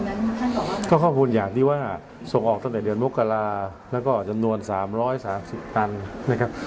ข้อความความความความอย่างที่ว่าส่งออกตั้งแต่เดือนมกราแล้วก็อาจจะนวน๓๓๐อันนะครับ